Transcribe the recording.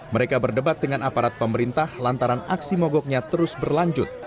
mereka berdebat dengan aparat pemerintah lantaran aksi mogoknya terus berlanjut